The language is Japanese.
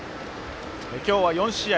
今日は４試合